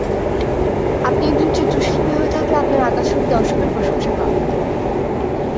আপনি একজন চিত্রশিল্পী হয়ে থাকলে আপনার আঁকা ছবি দর্শকের প্রশংসা পাবে।